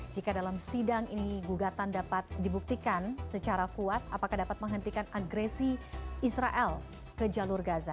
jika dalam sidang ini gugatan dapat dibuktikan secara kuat apakah dapat menghentikan agresi israel ke jalur gaza